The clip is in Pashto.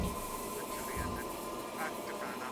موږ چيري د یوه ارام او سوکاله ژوند نښي موندلی سو؟